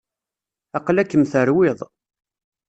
Aqla-kem terwiḍ.